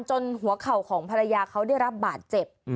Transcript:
หัวเข่าของภรรยาเขาได้รับบาดเจ็บ